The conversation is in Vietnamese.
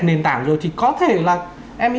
nền tảng rồi thì có thể là em ấy